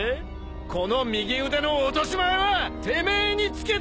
この右腕の落とし前はてめえにつけてもらうよ！